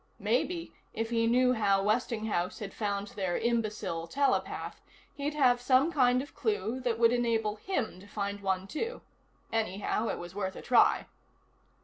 Maybe, if he knew how Westinghouse had found their imbecile telepath, he'd have some kind of clue that would enable him to find one, too. Anyhow, it was worth a try.